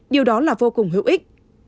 điều đó là vô cùng hữu ích